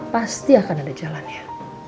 pasti akan ada jalannya